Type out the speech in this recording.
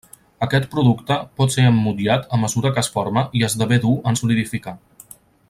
Aquest producte pot ser emmotllat a mesura que es forma i esdevé dur en solidificar.